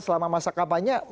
selama masa kebanyakan